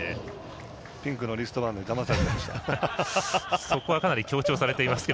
ピンクのリストバンドにだまされました。